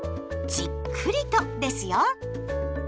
じっくりとですよ！